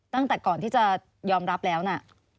ตั้งแต่ก่อนที่จะยอมรับแล้วนะ